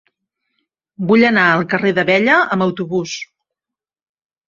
Vull anar al carrer d'Abella amb autobús.